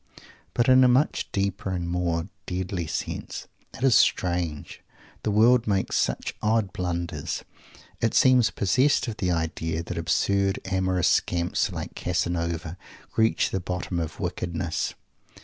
But in a much deeper and more deadly sense. It is strange! The world makes such odd blunders. It seems possessed of the idea that absurd amorous scamps like Casanova reach the bottom of wickedness.